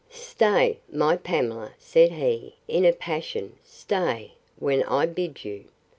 Stay, my Pamela, said he, in a passion; stay, when I bid you.